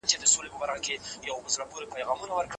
دې سړي په دې کار سره خپل ژوند او شتمني خوندي کړه.